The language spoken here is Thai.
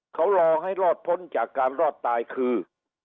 เขารอให้รอดพ้นจากการรอดตายคือ